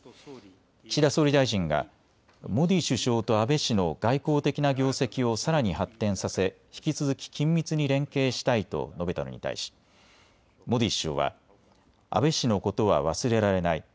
岸田総理大臣がモディ首相と安倍氏の外交的な業績をさらに発展させ引き続き緊密に連携したいと述べたのに対し、モディ首相は安倍氏のことは忘れられない。